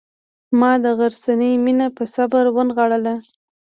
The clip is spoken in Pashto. ما د غرڅنۍ مینه په صبر ونغاړله.